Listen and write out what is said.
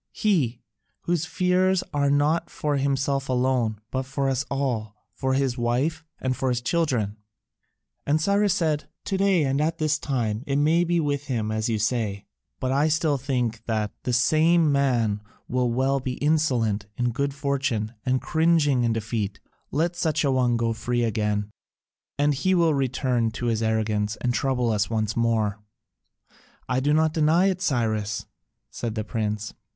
He, whose fears are not for himself alone, but for us all, for his wife, and for his children." And Cyrus said, "To day and at this time, it may be with him as you say: but I still think that the same man may well be insolent in good fortune and cringing in defeat: let such an one go free again, and he will return to his arrogance and trouble us once more." "I do not deny it, Cyrus," said the prince.